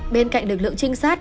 bên cạnh lực lượng trinh sát